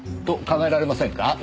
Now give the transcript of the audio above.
と考えられませんか？